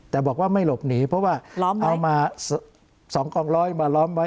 แต่บอกว่าไม่หลบหนีเพราะว่าเอามา๒กองร้อยมาล้อมไว้